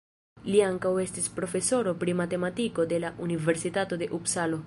Li ankaŭ estis profesoro pri matematiko de la Universitato de Upsalo.